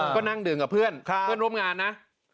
ก็นั่งดื่มกับเพื่อนเพื่อนร่วมงานนะ